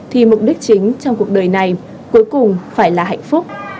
thì mục đích chính trong cuộc đời này cuối cùng phải là hạnh phúc